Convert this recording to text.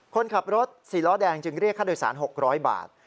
คนขับรถ๔ล้อแดงจึงเรียกค่าโดยสาร๖๐๐บาท